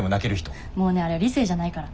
もうねあれは理性じゃないから。